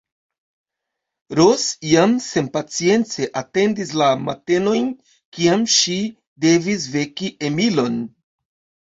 Ros jam senpacience atendis la matenojn, kiam ŝi devis veki Emilon.